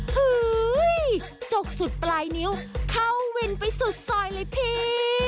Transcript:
เฮ้ยจกสุดปลายนิ้วเข้าวินไปสุดซอยเลยพี่